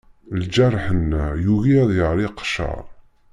Lǧarḥ-nneɣ, yugi ad yaɣ iqcer.